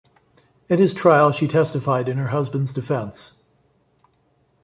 At his trial she testified in her husband's defense.